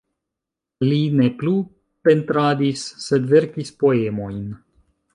Li ne plu pentradis, sed verkis poemojn.